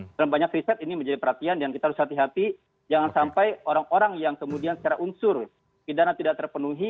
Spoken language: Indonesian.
dalam banyak riset ini menjadi perhatian dan kita harus hati hati jangan sampai orang orang yang kemudian secara unsur pidana tidak terpenuhi